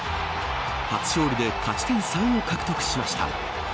初勝利で勝ち点３を獲得しました。